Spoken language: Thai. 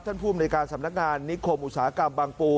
ท่านผู้บริการสำนักงานนิคมอุตสาหกรรมบางปู